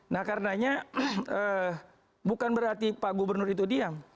nah karenanya bukan berarti pak gubernur itu diam